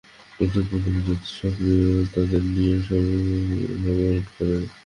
নতুন, পুরানো এবং যারা সক্রীয় তাদের নিয়ে কমিটি গঠন করা হবে।